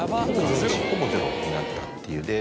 ほぼゼロになったっていう。